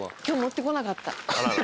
今日持ってこなかった。